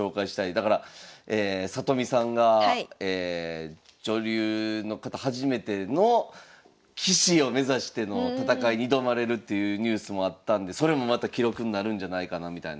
だから里見さんが女流の方初めての棋士を目指しての戦いに挑まれるっていうニュースもあったんでそれもまた記録になるんじゃないかなみたいな。